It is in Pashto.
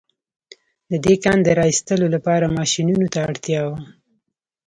د دې کان د را ايستلو لپاره ماشينونو ته اړتيا وه.